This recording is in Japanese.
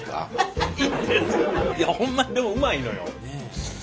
いやホンマにでもうまいのよ。